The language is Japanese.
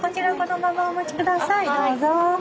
どうぞ。